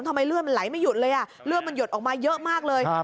ทำไมเลือดมันไหลไม่หยุดเลยอ่ะเลือดมันหยดออกมาเยอะมากเลย